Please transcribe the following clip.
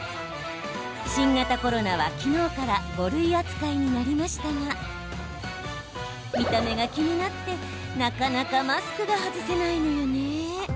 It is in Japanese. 新型コロナは昨日から５類扱いになりましたが見た目が気になって、なかなかマスクが外せないのよね。